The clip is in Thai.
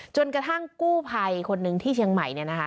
จนกระทั่งกู้ภัยคนหนึ่งที่เชียงใหม่